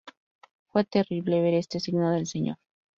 Fue terrible ver este signo del Señor.